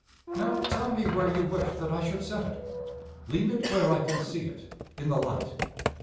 "Now tell me where you wish that I should set it." "Lean it where I can see it in the light."